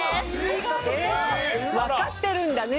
わかってるんだね